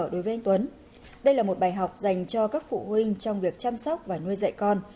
đối với anh tuấn đây là một bài học dành cho các phụ huynh trong việc chăm sóc và nuôi dạy con